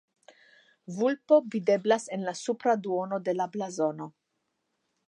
Vulpo videblas en la supra duono de la blazono.